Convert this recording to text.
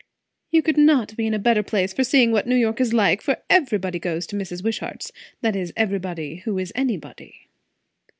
"You could not be in a better place for seeing what New York is like, for everybody goes to Mrs. Wishart's; that is, everybody who is anybody."